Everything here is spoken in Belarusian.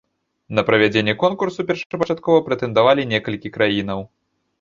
На правядзенне конкурсу першапачаткова прэтэндавалі некалькі краінаў.